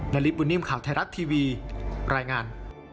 นาริสบุญนิ่มข่าวไทยรัฐทีวีรายงาน